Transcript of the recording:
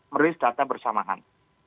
merilis data bersamaan